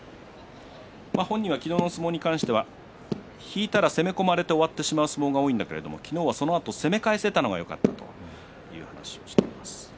本人は昨日の相撲に関して引いたら攻め込まれて終わってしまう相撲が多いんだが昨日は、そのあと攻め返せたのがよかったというふうに話していました。